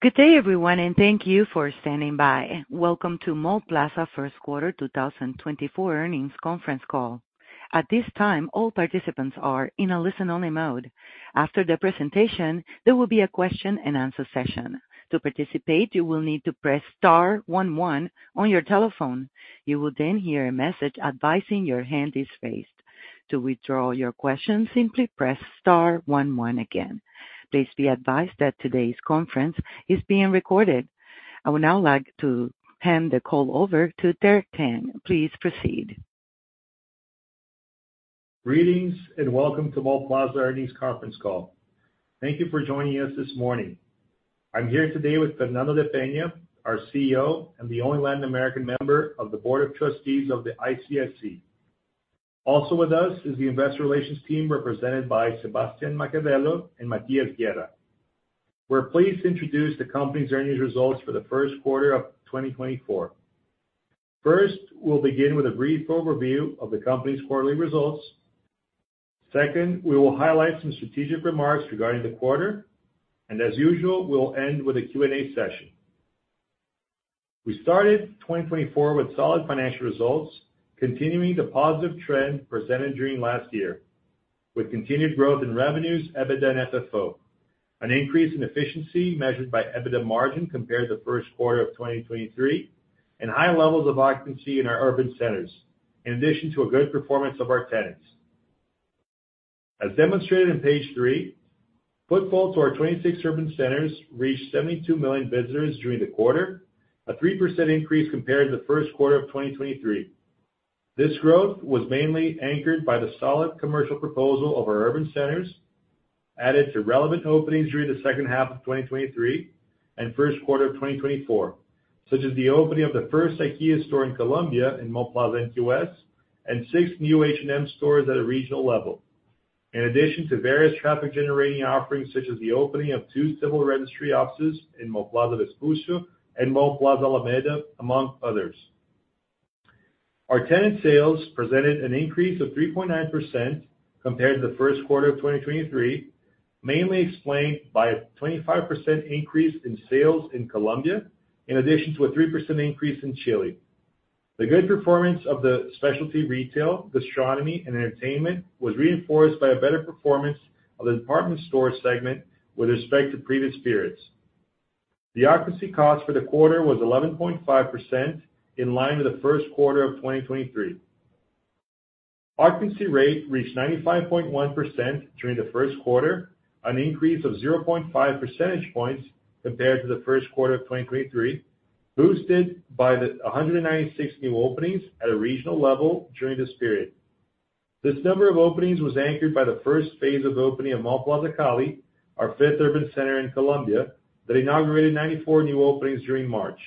Good day, everyone, and thank you for standing by. Welcome to Mallplaza First Quarter 2024 Earnings Conference Call. At this time, all participants are in a listen-only mode. After the presentation, there will be a question-and-answer session. To participate, you will need to press Star one one on your telephone. You will then hear a message advising your hand is raised. To withdraw your question, simply press Star one one again. Please be advised that today's conference is being recorded. I would now like to hand the call over to Derek Tang. Please proceed. Greetings and welcome to Mallplaza Earnings Conference Call. Thank you for joining us this morning. I'm here today with Fernando de Peña, our CEO and the only Latin American member of the Board of Trustees of the ICSC. Also with us is the Investor Relations Team represented by Sebastián Macabello and Matías Guerra. We're pleased to introduce the company's earnings results for the first quarter of 2024. First, we'll begin with a brief overview of the company's quarterly results. Second, we will highlight some strategic remarks regarding the quarter, and as usual, we'll end with a Q&A session. We started 2024 with solid financial results, continuing the positive trend presented during last year with continued growth in revenues at FFO, an increase in efficiency measured by EBITDA margin compared to the first quarter of 2023, and high levels of occupancy in our urban centers, in addition to a good performance of our tenants. As demonstrated in page three, footfall to our 26 urban centers reached 72 million visitors during the quarter, a 3% increase compared to the first quarter of 2023. This growth was mainly anchored by the solid commercial proposal of our urban centers, added to relevant openings during the second half of 2023 and first quarter of 2024, such as the opening of the first IKEA store in Colombia in Mallplaza NQS and six new H&M stores at a regional level, in addition to various traffic-generating offerings such as the opening of two civil registry offices in Mallplaza Vespuccio and Mallplaza Alameda, among others. Our tenant sales presented an increase of 3.9% compared to the first quarter of 2023, mainly explained by a 25% increase in sales in Colombia, in addition to a 3% increase in Chile. The good performance of the specialty retail, gastronomy, and entertainment was reinforced by a better performance of the department store segment with respect to previous periods. The occupancy cost for the quarter was 11.5%, in line with the first quarter of 2023. Occupancy rate reached 95.1% during the first quarter, an increase of 0.5 percentage points compared to the first quarter of 2023, boosted by the 196 new openings at a regional level during this period. This number of openings was anchored by the first phase of opening of Mallplaza Cali, our fifth urban center in Colombia, that inaugurated 94 new openings during March.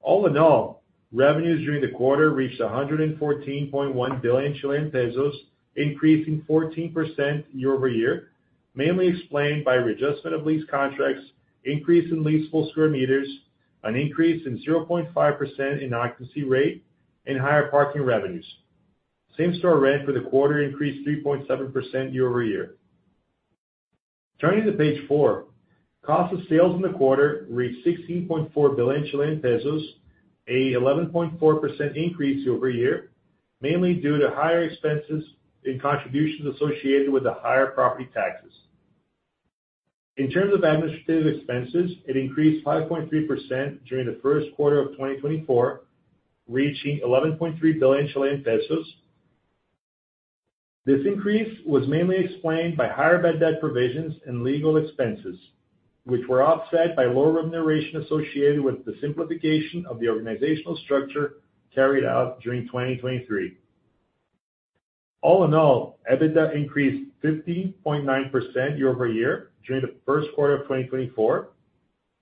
All in all, revenues during the quarter reached 114.1 billion Chilean pesos, increasing 14% year over year, mainly explained by readjustment of lease contracts, increase in leasable square meters, an increase in 0.5% in occupancy rate, and higher parking revenues. Same-store rent for the quarter increased 3.7% year over year. Turning to page four, cost of sales in the quarter reached 16.4 billion Chilean pesos, an 11.4% increase year over year, mainly due to higher expenses and contributions associated with the higher property taxes. In terms of administrative expenses, it increased 5.3% during the first quarter of 2024, reaching 11.3 billion Chilean pesos. This increase was mainly explained by higher bad-debt provisions and legal expenses, which were offset by lower remuneration associated with the simplification of the organizational structure carried out during 2023. All in all, EBITDA increased 15.9% year over year during the first quarter of 2024,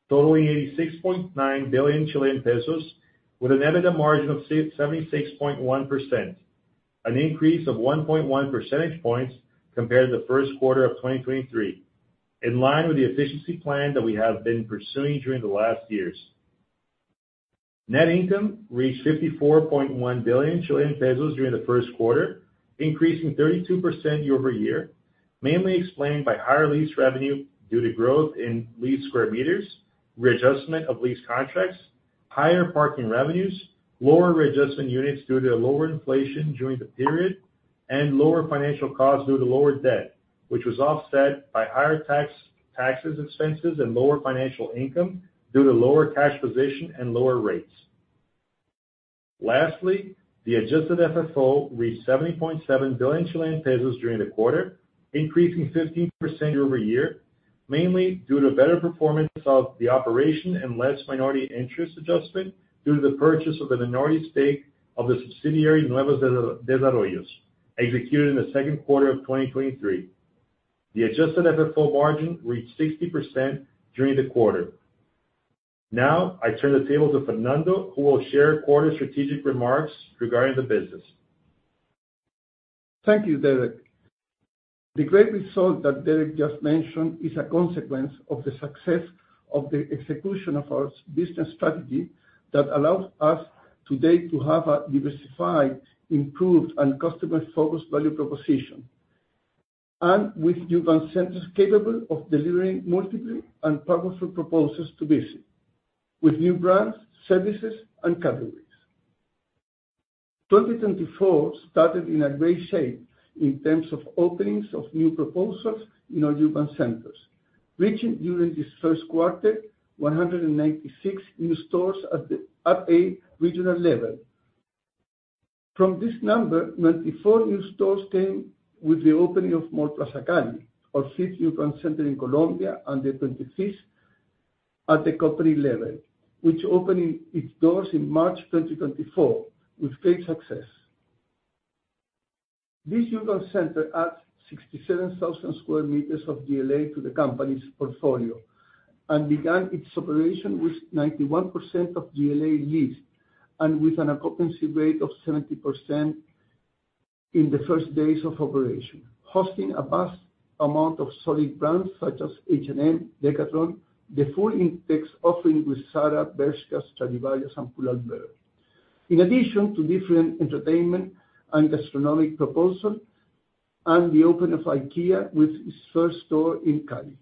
totaling 86.9 billion Chilean pesos, with an EBITDA margin of 76.1%, an increase of 1.1 percentage points compared to the first quarter of 2023, in line with the efficiency plan that we have been pursuing during the last years. Net income reached 54.1 billion Chilean pesos during the first quarter, increasing 32% year over year, mainly explained by higher lease revenue due to growth in lease square meters, readjustment of lease contracts, higher parking revenues, lower readjustment units due to lower inflation during the period, and lower financial costs due to lower debt, which was offset by higher taxes, expenses, and lower financial income due to lower cash position and lower rates. Lastly, the adjusted FFO reached 70.7 billion Chilean pesos during the quarter, increasing 15% year over year, mainly due to better performance of the operation and less minority interest adjustment due to the purchase of the minority stake of the subsidiary Nuevos Desarrollos, executed in the second quarter of 2023. The adjusted FFO margin reached 60% during the quarter. Now, I turn the table to Fernando, who will share quarter strategic remarks regarding the business. Thank you, Derek. The great results that Derek just mentioned are a consequence of the success of the execution of our business strategy that allows us today to have a diversified, improved, and customer-focused value proposition, and with new brand centers capable of delivering multiple and powerful proposals to business, with new brands, services, and categories. 2024 started in a great shape in terms of openings of new proposals in our urban centers, reaching during this first quarter 196 new stores at a regional level. From this number, 94 new stores came with the opening of Mallplaza Cali, our 5th urban center in Colombia, and the 25th at the company level, which opened its doors in March 2024 with great success. This urban center adds 67,000 sq m of GLA to the company's portfolio and began its operation with 91% of GLA lease and with an occupancy rate of 70% in the first days of operation, hosting a vast amount of solid brands such as H&M, Decathlon, the full Inditex offering with Zara, Bershka, Stradivarius, and Pull & Bear, in addition to different entertainment and gastronomic proposals and the opening of IKEA with its first store in Cali.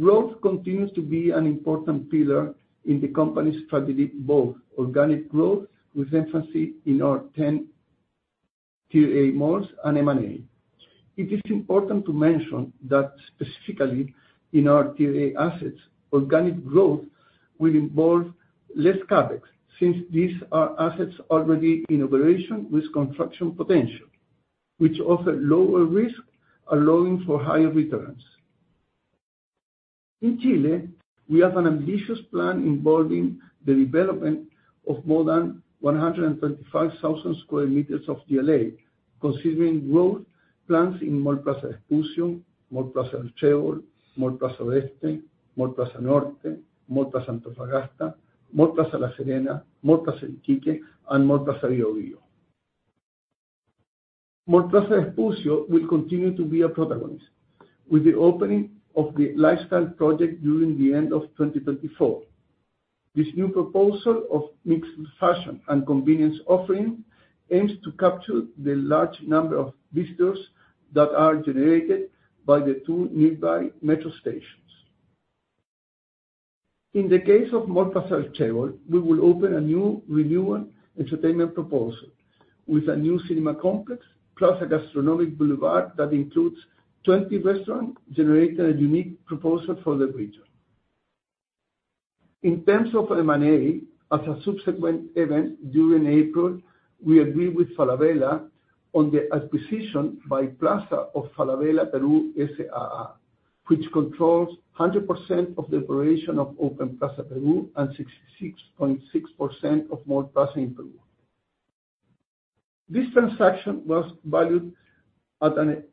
Growth continues to be an important pillar in the company's strategy, both organic growth with emphasis in our 10 Tier A malls and M&A. It is important to mention that specifically in our Tier A assets, organic growth will involve less CapEx since these are assets already in operation with construction potential, which offers lower risk, allowing for higher returns. In Chile, we have an ambitious plan involving the development of more than 125,000 sq m of GLA, considering growth plans in Mallplaza Expulsión, Mallplaza El Huerto, Mallplaza Oeste, Mallplaza Norte, Mallplaza Antofagasta, Mallplaza La Serena, Mallplaza El Chique, and Mallplaza Biobío. Mallplaza Expulsión will continue to be a protagonist with the opening of the Lifestyle Project during the end of 2024. This new proposal of mixed fashion and convenience offering aims to capture the large number of visitors that are generated by the two nearby metro stations. In the case of Mallplaza El Huerto, we will open a new renewal entertainment proposal with a new cinema complex plus a gastronomic boulevard that includes 20 restaurants generating a unique proposal for the region. In terms of M&A, as a subsequent event during April, we agreed with Falabella on the acquisition by Plaza of Falabella Perú S.A.A., which controls 100% of the operation of Open Plaza Perú and 66.6% of Mallplaza in Peru. This transaction was valued at an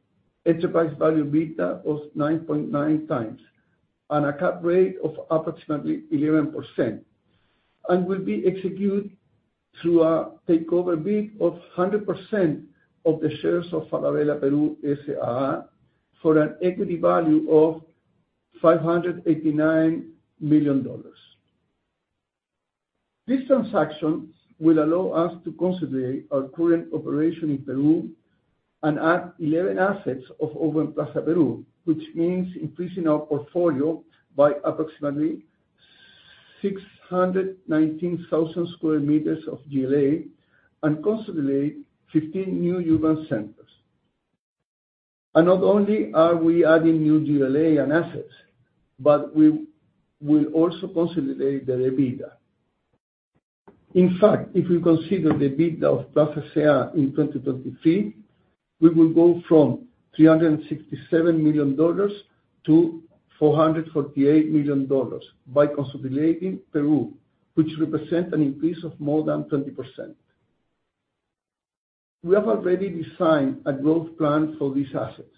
enterprise value beta of 9.9 times and a cap rate of approximately 11%, and will be executed through a takeover bid of 100% of the shares of Falabella Perú S.A.A. for an equity value of $589 million. This transaction will allow us to consolidate our current operation in Peru and add 11 assets of Open Plaza Perú, which means increasing our portfolio by approximately 619,000 sq m of GLA and consolidating 15 new urban centers. Not only are we adding new GLA and assets, but we will also consolidate the EBITDA. In fact, if we consider the EBITDA of Plaza S.A.A. In 2023, we will go from $367 million to $448 million by consolidating Peru, which represents an increase of more than 20%. We have already designed a growth plan for these assets,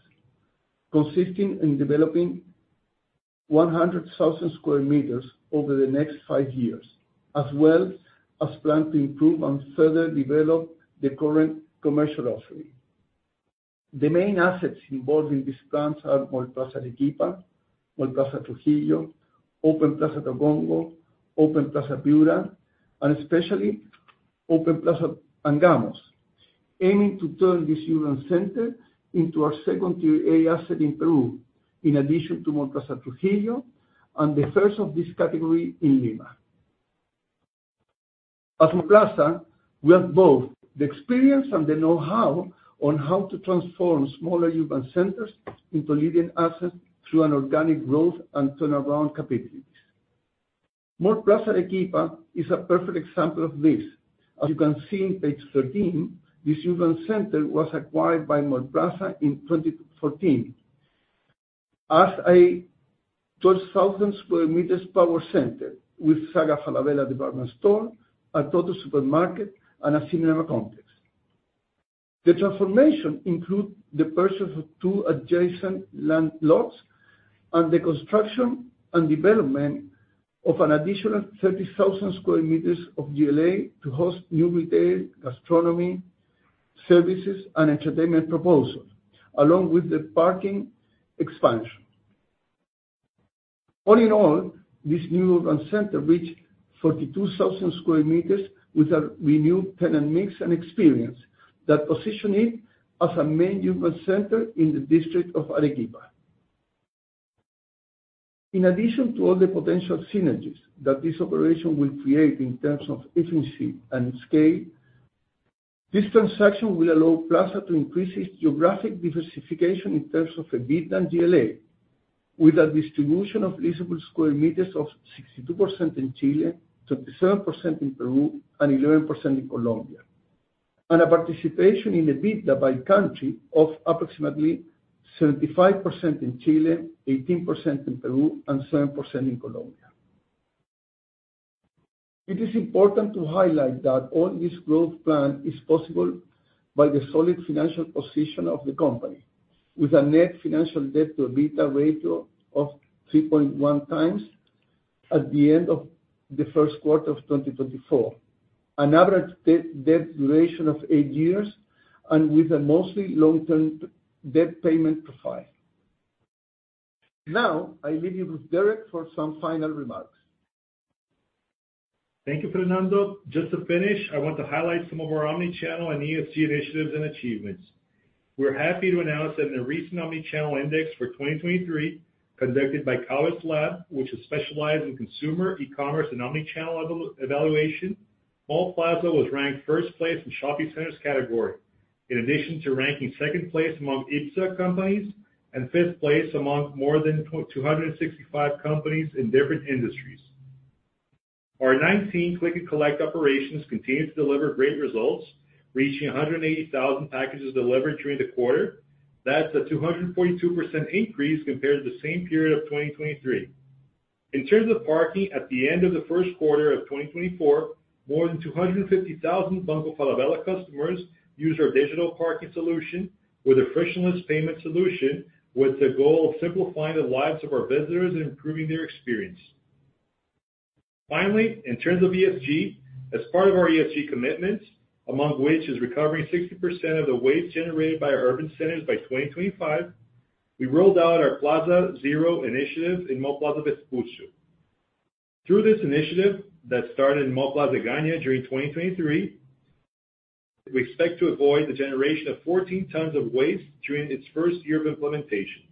consisting in developing 100,000 sq m over the next five years, as well as plan to improve and further develop the current commercial offering. The main assets involved in these plans are Mallplaza Arequipa, Mallplaza Trujillo, Open Plaza Tocongo, Open Plaza Piura, and especially Open Plaza Angamos, aiming to turn this urban center into our second Tier A asset in Peru, in addition to Mallplaza Trujillo and the first of this category in Lima. As Mallplaza, we have both the experience and the know-how on how to transform smaller urban centers into leading assets through an organic growth and turnaround capabilities. Mallplaza Arequipa is a perfect example of this. As you can see in page 13, this urban center was acquired by Mallplaza in 2014 as a 12,000 sq m power center with Saga Falabella department store, a Tottus supermarket, and a cinema complex. The transformation includes the purchase of two adjacent land lots and the construction and development of an additional 30,000 sq m of GLA to host new retail, gastronomy, services, and entertainment proposals, along with the parking expansion. All in all, this new urban center reached 42,000 sq m with a renewed tenant mix and experience that positions it as a main urban center in the district of Arequipa. In addition to all the potential synergies that this operation will create in terms of efficiency and scale, this transaction will allow Plaza to increase its geographic diversification in terms of EBITDA and GLA, with a distribution of leasable square meters of 62% in Chile, 27% in Peru, and 11% in Colombia, and a participation in EBITDA by country of approximately 75% in Chile, 18% in Peru, and 7% in Colombia. It is important to highlight that all this growth plan is possible by the solid financial position of the company, with a net financial debt-to-EBITDA ratio of 3.1 times at the end of the first quarter of 2024, an average debt duration of eight years, and with a mostly long-term debt payment profile. Now, I leave you with Derek for some final remarks. Thank you, Fernando. Just to finish, I want to highlight some of our omnichannel and ESG initiatives and achievements. We're happy to announce that in the recent omnichannel index for 2023, conducted by Kalis Lab, which is specialized in consumer e-commerce and omnichannel evaluation, Mallplaza was ranked first place in the shopping centers category, in addition to ranking second place among IPSA companies and fifth place among more than 265 companies in different industries. Our 19 click-and-collect operations continue to deliver great results, reaching 180,000 packages delivered during the quarter. That's a 242% increase compared to the same period of 2023. In terms of parking, at the end of the first quarter of 2024, more than 250,000 Banco Falabella customers used our digital parking solution with a frictionless payment solution, with the goal of simplifying the lives of our visitors and improving their experience. Finally, in terms of ESG, as part of our ESG commitments, among which is recovering 60% of the waste generated by our urban centers by 2025, we rolled out our Plaza Zero initiative in Mallplaza Expulsión. Through this initiative that started in Mallplaza Egaña during 2023, we expect to avoid the generation of 14 tons of waste during its first year of implementation.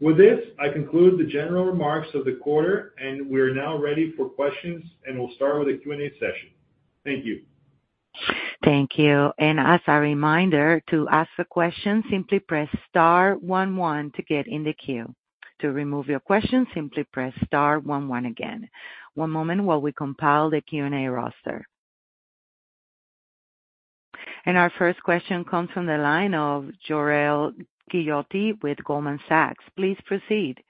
With this, I conclude the general remarks of the quarter, and we are now ready for questions, and we'll start with a Q&A session. Thank you. Thank you. As a reminder, to ask a question, simply press Star one one to get in the queue. To remove your question, simply press Star one one again. One moment while we compile the Q&A roster. Our first question comes from the line of Jorel Guillotti with Goldman Sachs. Please proceed.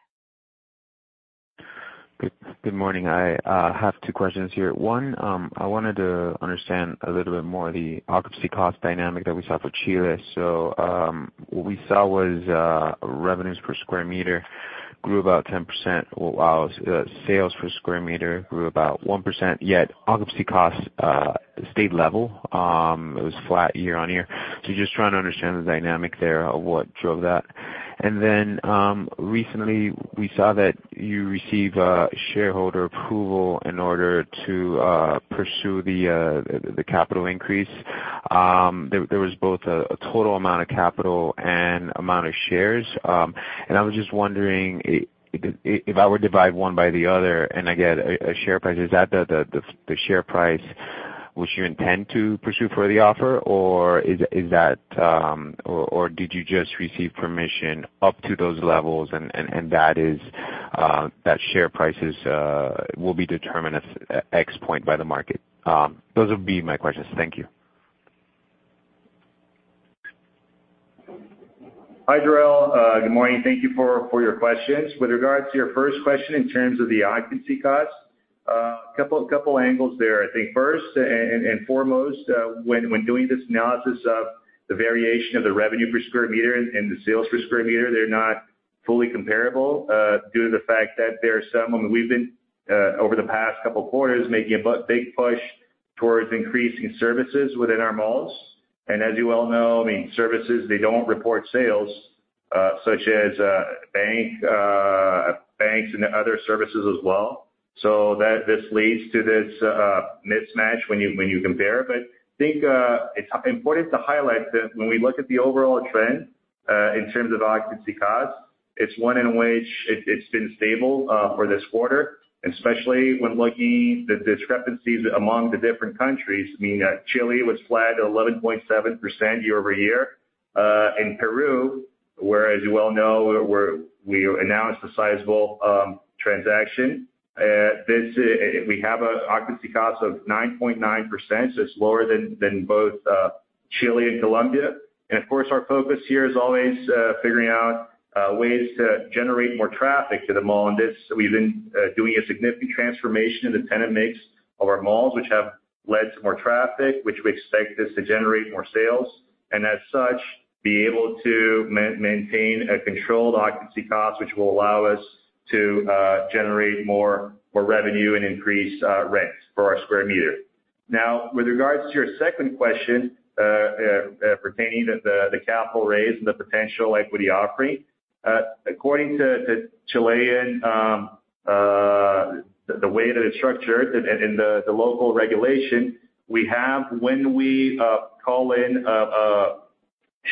Good morning. I have two questions here. One, I wanted to understand a little bit more of the occupancy cost dynamic that we saw for Chile. What we saw was revenues per square meter grew about 10%, while sales per square meter grew about 1%. Yet occupancy costs stayed level. It was flat year on year. Just trying to understand the dynamic there of what drove that. Recently, we saw that you receive shareholder approval in order to pursue the capital increase. There was both a total amount of capital and amount of shares. I was just wondering, if I were to divide one by the other and I get a share price, is that the share price which you intend to pursue for the offer, or did you just receive permission up to those levels, and that share price will be determined at X point by the market? Those would be my questions. Thank you. Hi, Jorel. Good morning. Thank you for your questions. With regards to your first question in terms of the occupancy costs, a couple of angles there. I think first and foremost, when doing this analysis of the variation of the revenue per square meter and the sales per square meter, they're not fully comparable due to the fact that there are some—I mean, we've been, over the past couple of quarters, making a big push towards increasing services within our malls. As you well know, I mean, services, they don't report sales, such as banks and other services as well. This leads to this mismatch when you compare. I think it's important to highlight that when we look at the overall trend in terms of occupancy costs, it's one in which it's been stable for this quarter, especially when looking at the discrepancies among the different countries. I mean, Chile was flat at 11.7% year over year. In Peru, whereas you well know, we announced a sizable transaction, we have an occupancy cost of 9.9%, so it's lower than both Chile and Colombia. Of course, our focus here is always figuring out ways to generate more traffic to the mall. We've been doing a significant transformation in the tenant mix of our malls, which have led to more traffic, which we expect this to generate more sales. As such, be able to maintain a controlled occupancy cost, which will allow us to generate more revenue and increase rents for our square meter. Now, with regards to your second question pertaining to the capital raise and the potential equity offering, according to Chilean, the way that it's structured and the local regulation, we have, when we call in a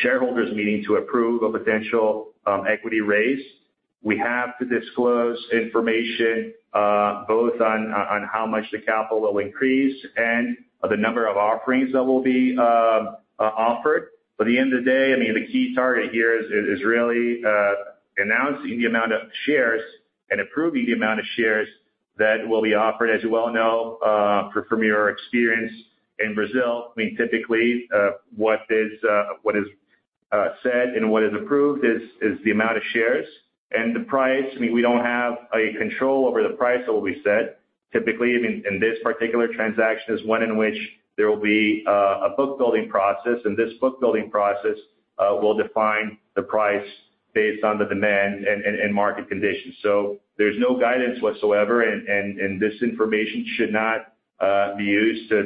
shareholders' meeting to approve a potential equity raise, we have to disclose information both on how much the capital will increase and the number of offerings that will be offered. At the end of the day, I mean, the key target here is really announcing the amount of shares and approving the amount of shares that will be offered. As you well know, from your experience in Brazil, I mean, typically, what is said and what is approved is the amount of shares and the price. I mean, we do not have a control over the price that will be set. Typically, I mean, in this particular transaction, is one in which there will be a book-building process, and this book-building process will define the price based on the demand and market conditions. There is no guidance whatsoever, and this information should not be used as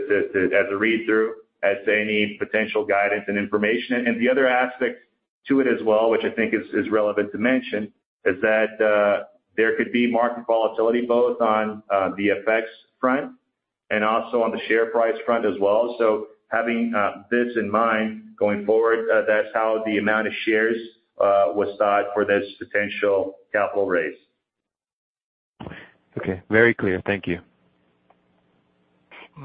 a read-through as to any potential guidance and information. The other aspect to it as well, which I think is relevant to mention, is that there could be market volatility both on the effects front and also on the share price front as well. Having this in mind, going forward, that's how the amount of shares was thought for this potential capital raise. Okay. Very clear. Thank you.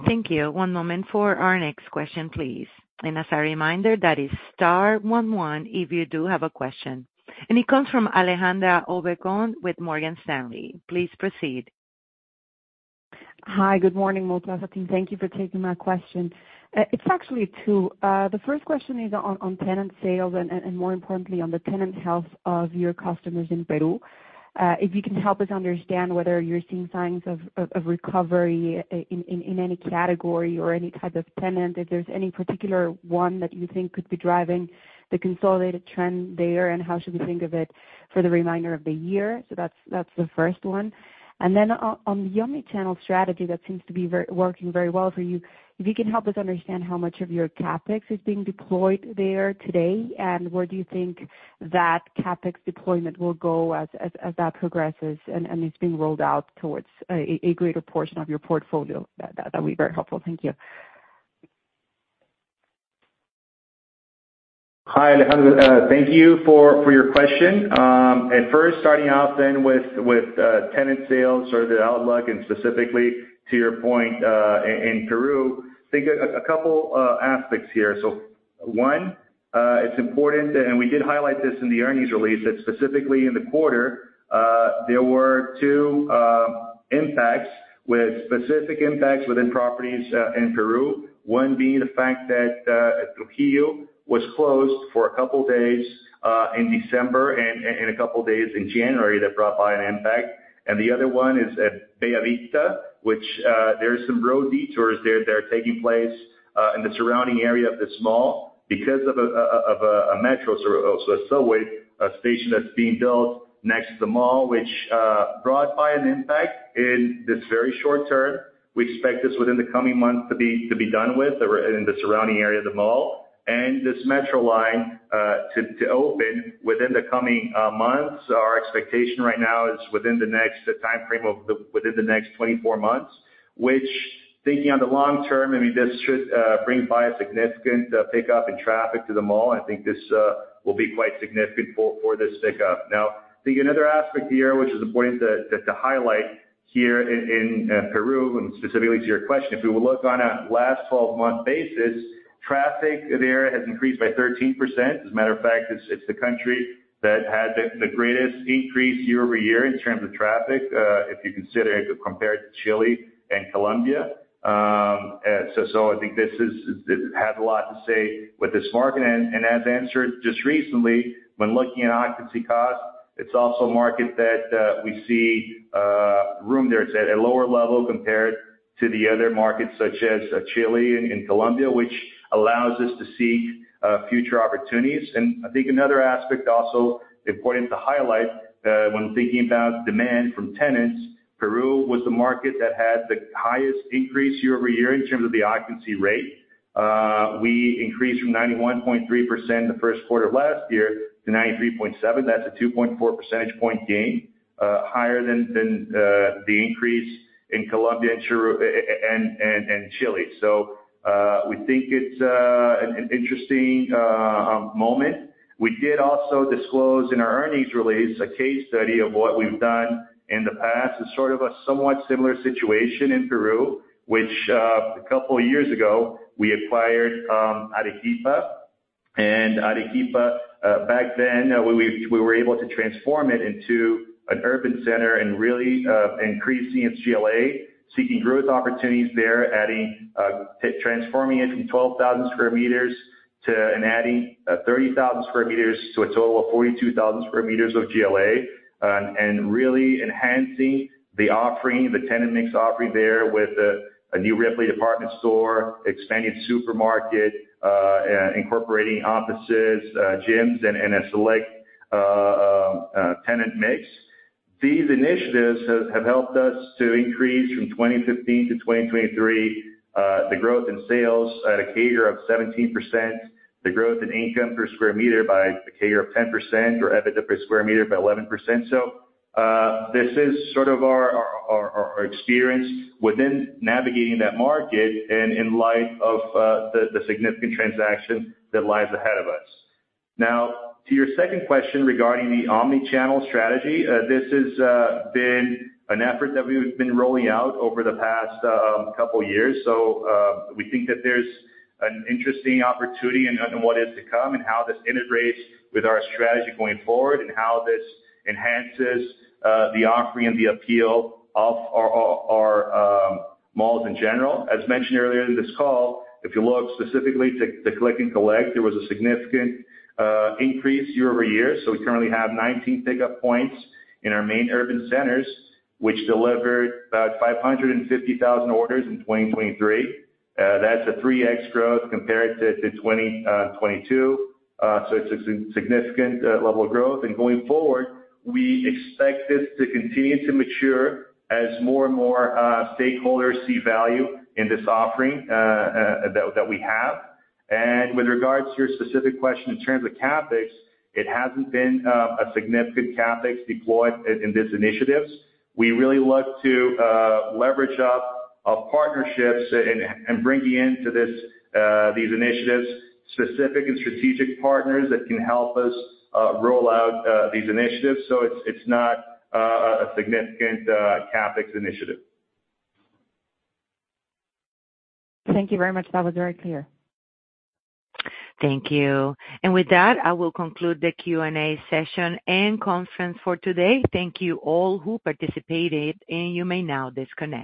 Thank you. One moment for our next question, please. As a reminder, that is Star one one if you do have a question. It comes from Alejandra Obregón with Morgan Stanley. Please proceed. Hi, good morning, Mallplaza team. Thank you for taking my question. It's actually two. The first question is on tenant sales and, more importantly, on the tenant health of your customers in Peru. If you can help us understand whether you're seeing signs of recovery in any category or any type of tenant, if there's any particular one that you think could be driving the consolidated trend there, and how should we think of it for the remainder of the year. That is the first one. On the omnichannel strategy that seems to be working very well for you, if you can help us understand how much of your CapEx is being deployed there today, and where you think that CapEx deployment will go as that progresses and is being rolled out towards a greater portion of your portfolio. That would be very helpful. Thank you. Hi, Alejandra. Thank you for your question. At first, starting off then with tenant sales or the outlook, and specifically, to your point, in Peru, I think a couple of aspects here. One, it's important, and we did highlight this in the earnings release, that specifically in the quarter, there were two impacts with specific impacts within properties in Peru. One being the fact that Trujillo was closed for a couple of days in December and a couple of days in January that brought by an impact. The other one is at Bayavista, which there are some road detours there that are taking place in the surrounding area of this mall because of a metro or a subway station that's being built next to the mall, which brought by an impact in this very short term. We expect this within the coming months to be done within the surrounding area of the mall. This metro line is to open within the coming months. Our expectation right now is within the next time frame of within the next 24 months, which, thinking on the long term, I mean, this should bring a significant pickup in traffic to the mall. I think this will be quite significant for this pickup. I think another aspect here, which is important to highlight here in Peru, and specifically to your question, if we look on a last 12-month basis, traffic there has increased by 13%. As a matter of fact, it is the country that had the greatest increase year over year in terms of traffic, if you consider it compared to Chile and Colombia. I think this has a lot to say with this market. As answered just recently, when looking at occupancy costs, it is also a market that we see room there at a lower level compared to the other markets, such as Chile and Colombia, which allows us to seek future opportunities. I think another aspect also important to highlight when thinking about demand from tenants, Peru was the market that had the highest increase year over year in terms of the occupancy rate. We increased from 91.3% in the first quarter of last year to 93.7%. That is a 2.4 percentage point gain, higher than the increase in Colombia and Chile. We think it is an interesting moment. We did also disclose in our earnings release a case study of what we have done in the past. It is sort of a somewhat similar situation in Peru, which a couple of years ago, we acquired Arequipa. Arequipa, back then, we were able to transform it into an urban center and really increase CSGLA, seeking growth opportunities there, transforming it from 12,000 sq m to an adding 30,000 sq m to a total of 42,000 sq m of GLA, and really enhancing the offering, the tenant mix offering there with a new Ripley department store, expanded supermarket, incorporating offices, gyms, and a select tenant mix. These initiatives have helped us to increase from 2015 to 2023 the growth in sales at a CAGR of 17%, the growth in income per sq m by a CAGR of 10%, or EBITDA per sq m by 11%. This is sort of our experience within navigating that market and in light of the significant transaction that lies ahead of us. Now, to your second question regarding the omnichannel strategy, this has been an effort that we've been rolling out over the past couple of years. We think that there's an interesting opportunity in what is to come and how this integrates with our strategy going forward and how this enhances the offering and the appeal of our malls in general. As mentioned earlier in this call, if you look specifically to Click-and-Collect, there was a significant increase year over year. We currently have 19 pickup points in our main urban centers, which delivered about 550,000 orders in 2023. That's a 3X growth compared to 2022. It is a significant level of growth. Going forward, we expect this to continue to mature as more and more stakeholders see value in this offering that we have. With regards to your specific question in terms of CapEx, it has not been a significant CapEx deployed in these initiatives. We really look to leverage up our partnerships and bringing into these initiatives specific and strategic partners that can help us roll out these initiatives. It is not a significant CapEx initiative. Thank you very much. That was very clear. Thank you. With that, I will conclude the Q&A session and conference for today. Thank you all who participated, and you may now disconnect.